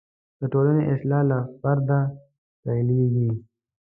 د ټولنې اصلاح له فرده پیلېږي.